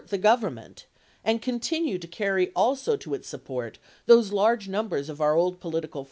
the Government — and continue to carry also to its to Lincoln, support those large numbers of our old political ugMs!